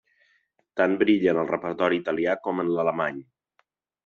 Tant brilla en el repertori italià com en l'alemany.